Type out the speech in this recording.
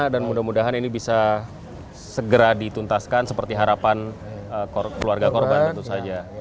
dan mudah mudahan ini bisa segera dituntaskan seperti harapan keluarga korban